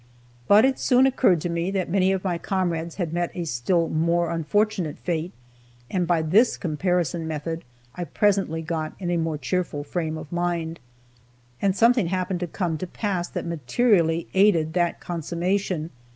But it soon occurred to me that many of my comrades had met a still more unfortunate fate, and by this comparison method I presently got in a more cheerful frame of mind. And something happened to come to pass that materially aided that consummation.